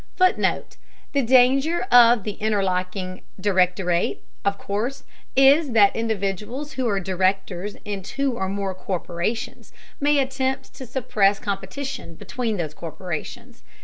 [FOOTNOTE: The danger of the interlocking directorate, of course, is that individuals who are directors in two or more corporations may attempt to suppress competition between those corporations.